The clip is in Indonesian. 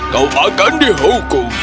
kau akan dihukum